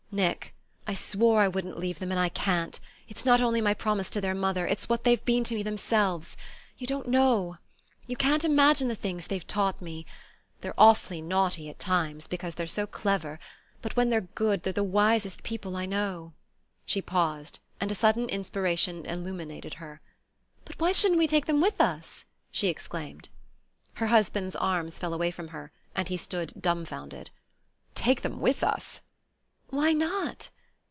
"Nick, I swore I wouldn't leave them; and I can't. It's not only my promise to their mother it's what they've been to me themselves. You don't, know... You can't imagine the things they've taught me. They're awfully naughty at times, because they're so clever; but when they're good they're the wisest people I know." She paused, and a sudden inspiration illuminated her. "But why shouldn't we take them with us?" she exclaimed. Her husband's arms fell away from her, and he stood dumfounded. "Take them with us?" "Why not?"